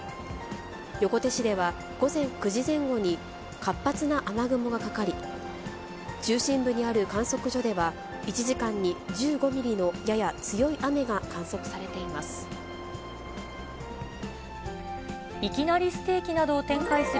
横手市では午前９時前後に活発な雨雲がかかり、中心部にある観測所では、１時間に１５ミリのやや強い雨が観測されています。